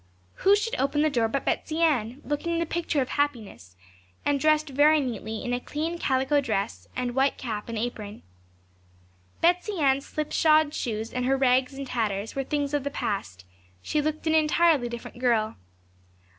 Who should open the door but Betsey Ann, looking the picture of happiness, and dressed very neatly in a clean calico dress, and white cap and apron. Betsey Ann's slipshod shoes and her rags and tatters were things of the past; she looked an entirely different girl.